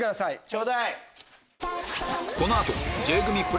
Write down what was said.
ちょうだい！